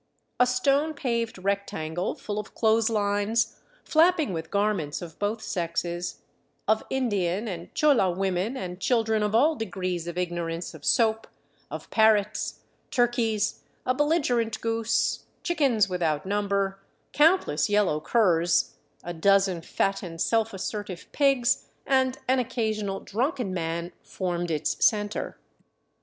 A stone paved rectangle full of clothes lines, flapping with garments of both sexes, of Indian and chola women and children of all degrees of ignorance of soap, of parrots, tur keys, a belligerent goose, chickens without number, countless yellow curs, a dozen fat and self assertive pigs, and an occasional drunken man, formed its center.